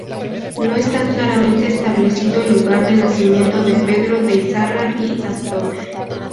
No está claramente establecido el lugar de nacimiento de Pedro de Izarra y Astor.